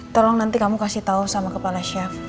tolong nanti kamu kasih tahu sama kepala chef